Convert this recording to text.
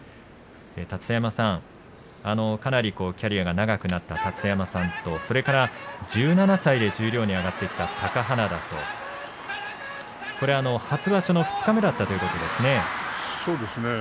立田山さん、かなりキャリアが長くなった立田山さんと１７歳で十両に上がってきた貴花田と初場所の二日目だったということですね。